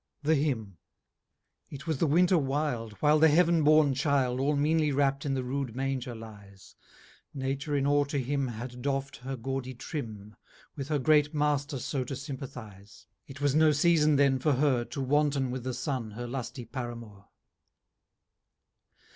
The Hymn. I IT was the Winter wilde, While the Heav'n born childe, 30 All meanly wrapt in the rude manger lies; Nature in aw to him Had doff't her gawdy trim, With her great Master so to sympathize: It was no season then for her To wanton with the Sun her lusty Paramour.